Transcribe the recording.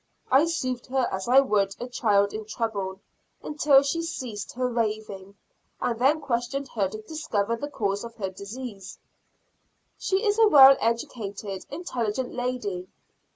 I soothed her as I would a child in trouble, until she ceased her raving, and then questioned her to discover the cause of her disease. She is a well educated, intelligent lady.